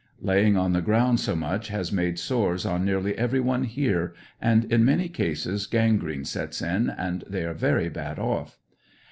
Laying on the ground so much has made sores on nearly every one here, and in many cases gangrene sets in and they are very bad off.